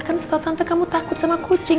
kan setelah tante kamu takut sama kucing